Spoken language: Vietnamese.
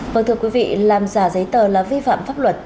vâng thưa quý vị làm giả giấy tờ là vi phạm pháp luật